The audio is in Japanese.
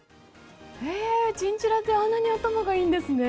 チンチラってあんなに頭がいいんですね。